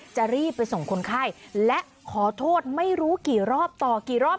จะรีบไปส่งคนไข้และขอโทษไม่รู้กี่รอบต่อกี่รอบ